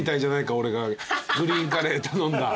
グリーンカレー頼んだ。